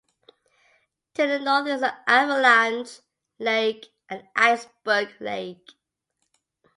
To the North is Avalanche Lake and Iceberg Lake.